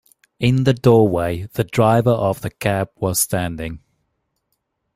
In the doorway the driver of the cab was standing.